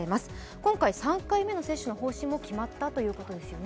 今回３回目の接種の方針も決まったということですよね。